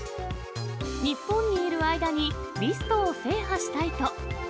日本にいる間にリストを制覇したいと。